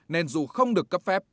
nên dù không được cấp phép